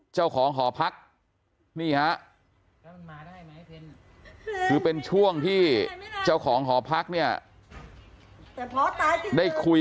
เจ้าของหอพักนี่ฮะคือเป็นช่วงที่เจ้าของหอพักเนี่ยได้คุย